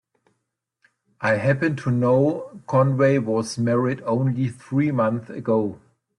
I happen to know Conway was married only three months ago.